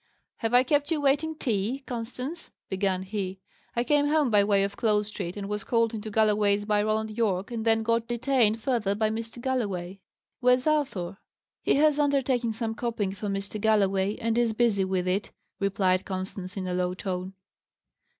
"Have I kept you waiting tea, Constance?" began he. "I came home by way of Close Street, and was called into Galloway's by Roland Yorke, and then got detained further by Mr. Galloway. Where's Arthur?" "He has undertaken some copying for Mr. Galloway, and is busy with it," replied Constance in a low tone.